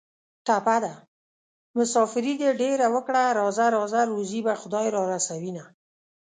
ټپه ده: مسافري دې ډېره وکړه راځه راځه روزي به خدای را رسوینه